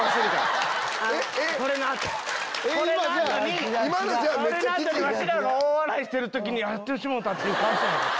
この後わしらが大笑いしてる時にやってしもうた！って顔してる。